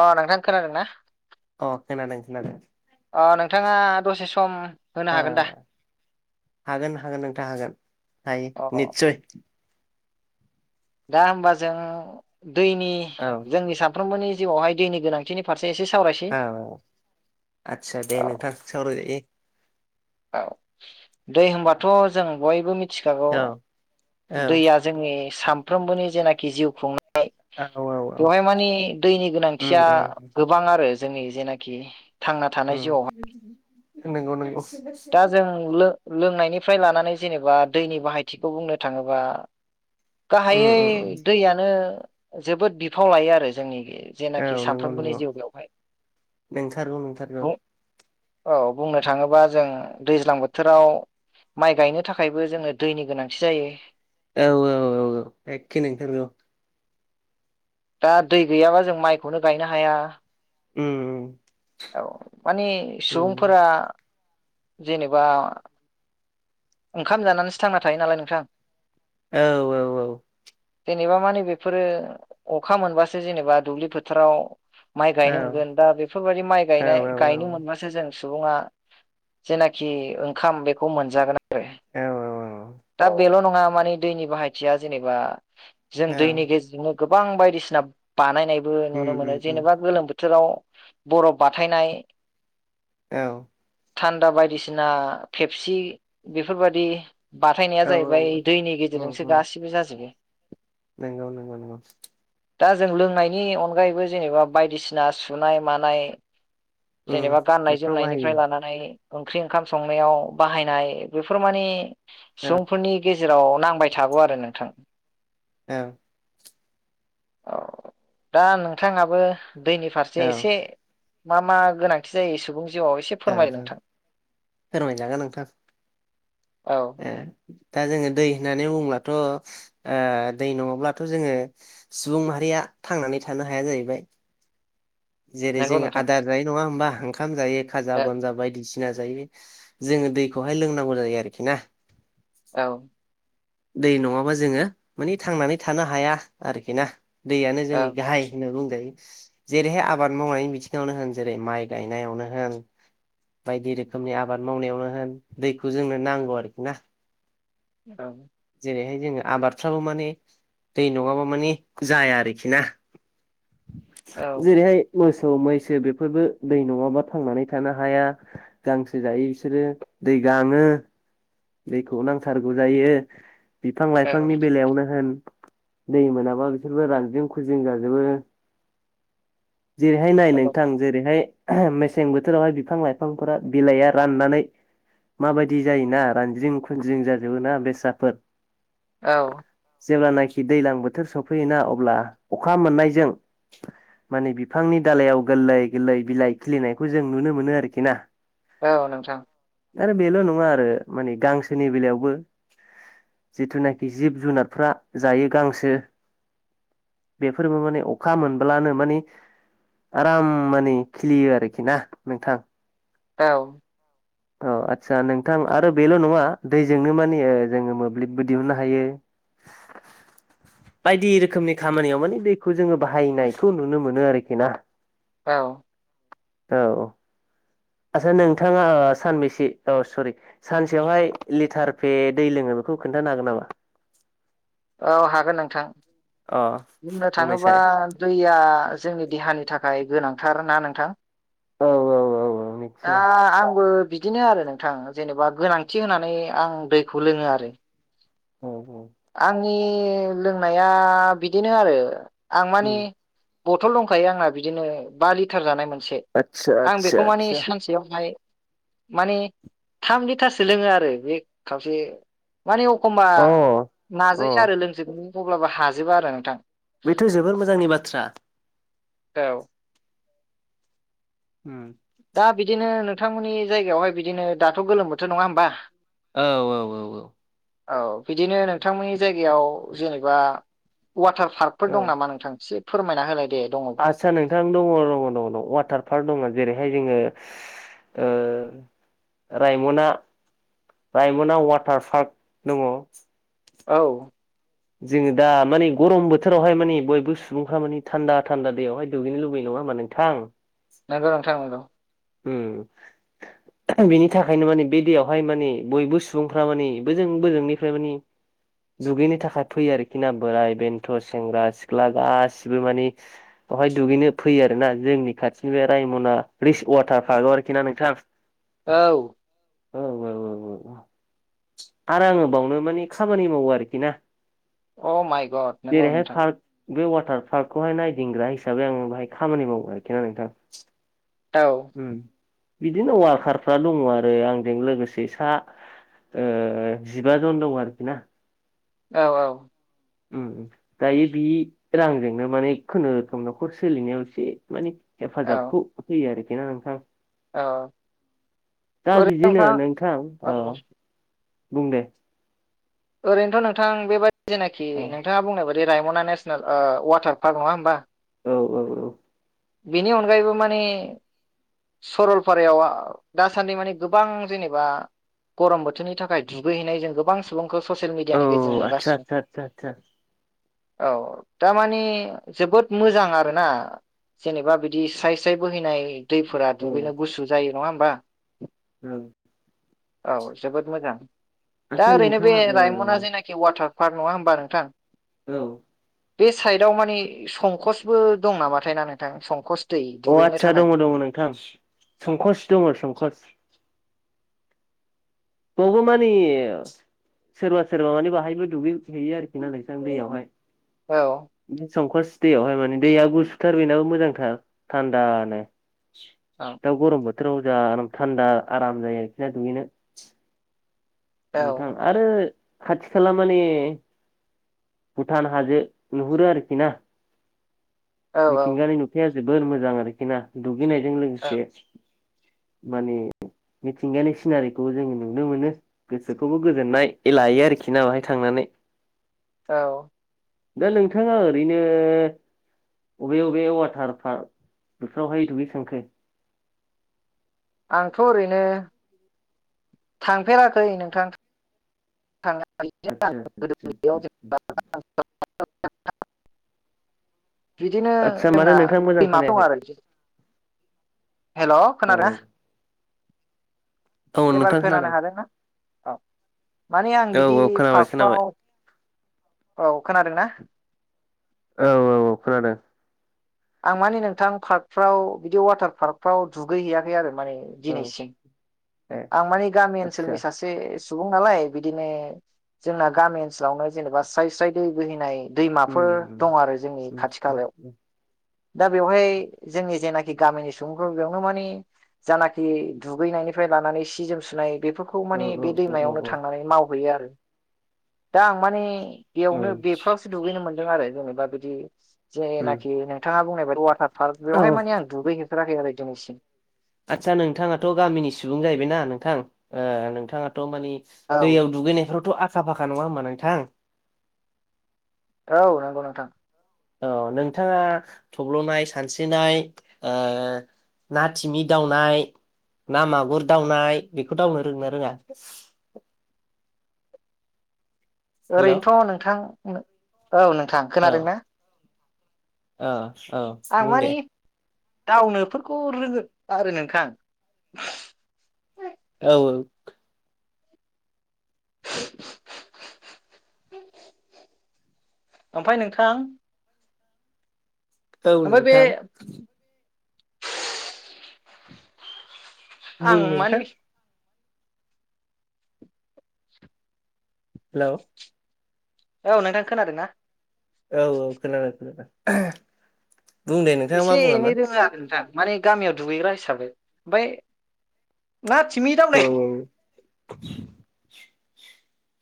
अ नोंथां खोनादों ना? अ खोनादों खोनादों। अ नोंथाङा दसे सम होनो ओ हागोन दा? हागोन हागोन नोंथां हागोन हायो अ निस्सय। दा होमबा जों दैनि औ औ जोंनि सानफ्रोमबोनि जिउआवहाय दैनि गोनांथिनि फारसे एसे सावरायसै औ औ आदसा दे औ नोंथां सावरायजायो। औ दै होनबाथ' जों बयबो मिथि मिथिखागौ औ औ दैया जोंनि सामफ्रोबोनि जेनाखि जिउ खुंनाय नाय औ औ औ बेवहाय मानि दैनि उम गोनांथिया उम गोबां आरो। जोंनि जेनाखि थांना थानाय जिउआवहाय उम नोंगौ नोंगौ। दा जों लो-लोंनायनि फ्राय लानानै जेनेबा दैनि बाहायथिखौ बुंनो थाङोबा उम गाहायै उम उम दैयानो जोबोद बिफाव लायो आरो जोंनि । औ जेनाखि नंगौ सानफ्रोमबोनि नंगौ जिउ बेवहाय नंथारगौ नंथारगौ बुं। औ बुंनो थाङोबा जों दैज्लां बोथोराव माइ गायनो थाखायबो जोङो दैनि गोनांथि जायो। औ औ औ औ एखे नोंथारगौ। दा दै गैयाबा जों माइखौनो गायनो हाया। उम उम। औ माने उम सुबुंफोरा जेनेबा ओंखाम जानानैसो थांना थायो नालाय नोंथां। औ औ औ जेनेबा माने बेफोरो अखा मोनबासो जेनेबा दुब्लि फोथाराव माइ औ गायनो मोनगोन दा बेफोरबायदि माइ औ गायनाय औ गायनो मोनबासो जों सुबुंङा जेनाखि ओंखाम बेखौ मोनजागोन आरो औ दा बेल' नंङा माने दैनि बाहायथिया जेनेबा जों औ दैनि गेजेजोंनो गोबां बायदिसिना बानायनायबो उम नुनो उम मोनो उम जेनेबा गोलोम बो बोथोराव बरब बाथायनाय औ थान्दा बायदिसिना फेबसि बेफोरबादि बाथायनाया औ जाहैबाय दैनि गेजेरजोंसो गासिबो जाजोबो। नोंगौ नोंगौ नोंगौ दा जों लोंनायनि अनगायैबो जेनेबा बायदिसिना सुनाय मानाय उम जेनेबा गाननाय बेफ्राव बाहायो जोमनायनिफ्राय लानानै ओंख्रि ओंखाम संनायाव बाहायनाय बेफोर माने औ सुबुंफोरनि गेजेराव नांबाय थागौ आरो नोंथां। औ औ दा नोंथांङाबो दैनि औ फारसे एसे मा मा गोनांथि जायो सुबुं जिउआव एसे ओ फोरमायो नोंथां फो-फोरमाय जांगोन नोंथां औ ओ दा जोंङो दै होननानै बुंङोलाथ ओ दै नंङाब्लाथ जोंङो सुबुं माहारि या थांनानै थानो हाया जाहैबाय। जेरै नंगौ जोंङो नोंथां आदार जायो नंङा होमबा ओखाम जायो खाजा औ बनजा बायदिसि सिना जायो जोंङो दैखौहाय लोंनागौ जायो आरोखि ना । औ दै नंङाबा जोंङो माने थांनानै थानो हाया आरोखि ना। दैयानो औ जोंनि गाहाय होनना बुंजायो जेरैहाय आब बाद मावनायनि बिथिंङावनो होन जेरै माइ गायनायावनो होन बायदि रोखोमनि आबाद मावनायावनो होन दैखौ जोंनो नांगौ आरोखि ना। औ। जेरै हाय जोंङो आबादफ्राबो माने दै नंङाबा माने जाया आरोखि ना। जेरै हाय मोस औ मैसो बेफोरबो दै नःङाबा थांनानै थानो हाया गांसो जायो बिसोरो दै गांङो दैखौ नांथारगौ जायो बिफां औ लाइफांनि बेलायावनो होन दै मोनाबा बिसोरबो रानजिं खुजिं जाजोबो। जेरै हाय नाय नोंथां जेरै हाय मेसें बोथोरावहाय बिफां लाइफांफोरा बिलाइआ राननानै माबायदि जायोना रानज्रिं खुनज्रिं जाजोबो ना बेस्राफोर औ जेब्लानाखि दैज्लां बोथोर सफैयोना अब्ला अखा मोननायजों ‌ मानि बिफांनि दालायाव गोरलै गोरलै बिलाइ खिलिनायखौ जों नुनो मोनो आरोखि ना औ नोंथां। आरो बेल नंङा आरो मानि गांसोनि बेलायावबो जिथुनाखि जिब जुनारफ्रा जायो गांसो बेफोरबो मानि अखा मोनब्लानो माने आराम मानि खिलियो आरोखि ना नोंथां । औ औ आदसा नोंथां आरो बेल' नंङा दैजोंनो मानि ओ जोंङो मोब्लिबबो दिहुननो हायो। बायदि रोखोमनि खामानियाव मानि दैखौ जोंङो बाहायनायखौ नुनो मोनो आरोखि ना। औ औ औ आथसा नोंथाङा सानबेसे अ सरि सानसेयावहाय लिटार पे दै लोङो खौ खोन्थानो हागोन नामा? औ हागोन नोंथां। अ बुंनो थाङोबा बुंनायसाय दैया जोंनि देहानि थाखाय गोनांथार ना नोंथां। औ औ औ औ दा निस्सय आंबो बिदिनो आरो नोंथां जेनेबा गोनांथि होनानै आं दैखौ लोङो आरो औ आंनि लोंनाया बिदिनो आरो आं मानि बथल दंखायो आंना बिदिनो बा लिटार जानाय मोनसे आतसा आं आतसा बेखौ मानि आतसा सानसेयावहाय माने थाम लिटारसो लोङो आरो बे खावसे माने अखमबा अ अ नाजायो आरो लोंजोबनो अब्लाबो हाजोबा आरो नोंथां बेथ' जोबोर मोजांनि बाथ्रा औ उम दा बिदिनो नोंथांमोननि जायगायावहाय बिदिनो दाथ' गोलोम बोथोर नङा होमबा औ औ औ औ औ बिदिनो नोंथांमोननि जायगायाव जेनेबा वाटार पार्कफोर दं नामा नोंथां एसे फोरमायना होलाय दे दङबा आदस्सा नोंथां दङ दङ दङ दङ वाटार पार्क दङ जेरैहाय जोङो ओ रायमना रायमना वाटार पार्क दङ औ जोङो दा मानि गरम बोथोरावहाय मानि बयबो सुबुंफ्रा मानि थान्दा थान्दा दैयावहाय दुगैनो लुबैनो नङा नङा होमबा नोंथां नोंगौ नोंथां नोंगौ उम बेनि थाखायनो मानि बे दैयावहाय मानि बयबो सुबुंफ्रा मानि बोजों बोजोंनिफ्राय मानि दुगैनो थाखाय फैयो आरोखि ना बोराय बेन्थ सेंग्रा सिख्ला गासिबो मानि बहाय दुगैनो फैयो आरो ना जोंनि खाथि बे रायमना रिच वाटार पार्क आरोखि ना नोंथां। औ औ औ औ औ आरो आङो बावनो मानि खामानि मावो आरोखि ना अ माइ गड नोंगौ जेरैहाय नोंथां पार्क बे वाटार पार्कखौहाय नायदिंग्रा हिसाबै आङो बाहाय खामानि मावो आरोखि ना नोंथां औ उम बिदिनो वारकारफ्रा दङ आरो आंजों लोगोसे सा ओ जिब जन दं आरोखि ना औ औ दायो बि रांजोंनो माने खुनुरुखुम न'खर सोलिनायाव एसे माने औ हेफाजाबखौ फैयो आरोखि ना नोंथां औ दा बिदिनो नोंथां औ बुं दे ओरैनोथ' नोंथां बेबायादि जेनाखि औ नोंथाङा बुंनाय बायदि रायमना नेसनेल ओ वाटार पार्क नङा होनोमबा औ औ औ बेनि अनगायैबो माने सरलपारायाव दासान्दि माने गोबां जेनेबा गरम बोथोरनि थाखाय दुगैहैनाय जों गोबां सुबुंखो ससियेल मिडियानि औ गेजेरजों आदसा नुगासिनो। आदसा आदसा आदसा औ थारमानि जोबोद मोजां आरोना जेनेबा बिदि स्राय स्राय बोहैनाय दैफोरा औ दुगैनो गुसु जायो नङा होमबा औ औ जोबोद मोजां दा आदसा ओरैनो बे नोंथाङा रायमना जेनाखि वाटार पार्क नङा होमबा नोंथां औ बे साइदआव माने संकसबो दं नामाथाय ना नोंथां संकस दै अ दुगैनो आदसा थाखाय दङ दङ नोंथां संकस दङ संकस [unintelligible] मानिस सोरबा सोरबा माने बाहायबो दुगै हैयो आरोखि नालायसं दैयावहाय औ बे संखस दैयावहाय माने दैया गुसुथार बेनाबो मोजांथार थान्दानो औ दा गरम बोथोराव जा आर थान्दा आराम जायो आरोखि ना दुगैनो नोंथां आरो खाथि खाला माने भुटान हाजो नुहुरो आरोखि ना औ मिथिंगानि नु जोबोर मोजां आरोखि ना दुगैनायजों औ लोगोसे [inaudible] माने मिथिंगायानि सिनारिखौ जोङो नुनो मोनो गोसोखौबो गोजोननाय लायो आरो खि ना बाहाय थांनानै [inaudible] औ दा नोंथाङा ओरैनो अबे बबे वाटार पार्क बेफोरावहाय दुगै खांखो आंथ' ओरैनो थांफेराखै नोंथां [unintelligible] आदसा आदसा आदसा [unintelligible] बिदिनो आदसा माथो जोंना नोंथां मोजां दैमा दं खोनायाखै आरो बिदि हेल' औ खोनादोंना औ एबार नोंथां खोनानो खोनादों हादोंना औ माने आं औ बिदि औ खोनाबाय खोनाबाय पार्कआव औ खोनादोंना औ औ औ खोनादों आं माने नोंथां पार्कफ्राव बिदि वाटार पार्कफ्राव दुगैहैयाखै आरो माने औ दिनैसिम ए आं माने गामि आदसा ओनसोलनि सासे सुबुं नालाय बिदिनो जोंना गामि ओनसोलावनो जेनेबा स्राय स्राय दै बोहैनाय उम दैमाफोर दङ आरो जोंनि उम खाथि खालायाव उम दा बेवहाय जोंनि जेना गामिनि सुबुंफ्र बेयावनो मानि जानाखि दुगैनायनिफ्राय लानानै सि जोम सुनाय बेफोरखौ औ माने बे औ दैमायावनो औ थांनानै मावहैयो आरो दा आं माने औ औ बेयावनो बेफोरावसो दुगैनो मोनदों आरो जेनेबा बिदि उम जेनाखि नोंथाङा बुंनाय बायदि वाटार पार्क औ बेवहाय माने आं दुगै हैैफेराखै आरो दिनैसिम आदसा नोंथाङाथ' गामिनि सुबुं जाहैबायना नोंथां ओ नोंथाङा थ' मानि औ दैयाव दुगैनायफ्रावथ' आखा फाखा नङा होमबा नोंथां औ नंगौ नोंथां औ नोंथाङा थब्ल'नाय सानस्रिनाय ओ ना थिमि दावनाय ना मागुर दावनाय बेखौ दावनो रोंङो ना रोङा हेल' ओरैनोथ' नोंथां औ नोंथां खोनादोंना ओ औ आं बुंदे मानि दावनोफोरखौ रोङो आरो नोंथां औ ओं [inaudible] ओमफाय नोंथां औ आमफाय बे नोंथां बुं आं नोंथां मानि हेल'। औ नोंथां खोनादों ना? औ औ खोनादों खोनादों। [unintelligible] नोंथाङा मा एसे एनै बुङामोन रोङो आरो नोंथां। माने गामियाव दुगैग्रा हिसाबै ओमफाय ना थिमि औ दावनाय औ [inaudible]